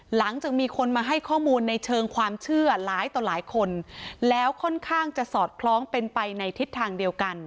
หลังจากมีคนมาให้ข้อมูลในเชิงความเชื่อหลายต่อหลายคนแล้วค่อนข้างจะสอดคล้องเป็นไปในทิศทางเดียวกัน